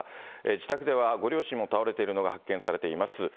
自宅ではご両親も倒れているのが発見されています。